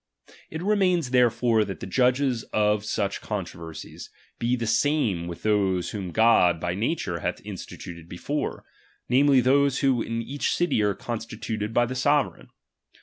It remains therefore that the judges of ^B such controversies, be the same with those whom God by nature had instituted before, namely, those chap.^^^H who in each city are constituted by the sovereign.